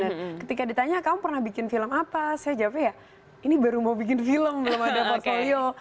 dan ketika ditanya kamu pernah bikin film apa saya jawabnya ya ini baru mau bikin film belum ada portfolio